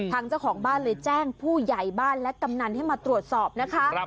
ทางเจ้าของบ้านเลยแจ้งผู้ใหญ่บ้านและกำนันให้มาตรวจสอบนะคะ